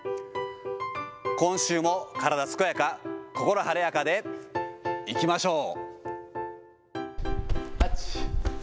今週も体健やか心晴れやかでいきましょう。